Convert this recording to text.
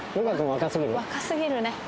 若すぎる？